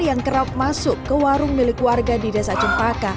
yang kerap masuk ke warung milik warga di desa cempaka